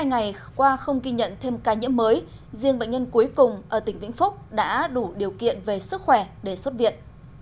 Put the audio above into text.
hai ngày qua không ghi nhận thêm ca nhiễm mới riêng bệnh nhân cuối cùng ở tỉnh vĩnh phúc đã đủ điều kiện về sức khỏe để xuất viện